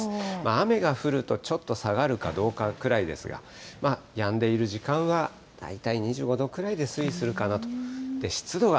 雨が降ると、ちょっと下がるかどうかくらいですが、やんでいる時間は、大体２５度くらいで推移するかなと。